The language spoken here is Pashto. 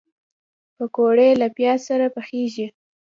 پکورې له پیاز سره پخېږي